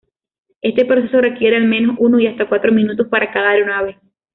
Este proceso requiere al menos uno y hasta cuatro minutos para cada aeronave.